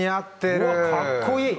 うわっかっこいい！